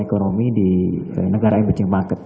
ekonomi di negara emerging market